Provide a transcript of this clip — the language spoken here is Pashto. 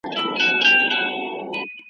د تقدیر لوبه روانه پر خپل پله وه .